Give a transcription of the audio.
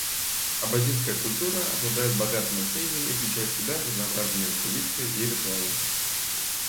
Абазинская культура обладает богатым наследием и включает в себя разнообразные традиции и ритуалы.